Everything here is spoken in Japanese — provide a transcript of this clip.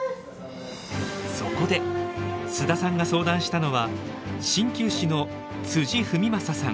そこで須田さんが相談したのは鍼灸師の文将さん。